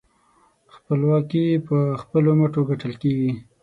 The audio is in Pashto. خپلواکي په خپلو مټو ګټل کېږي.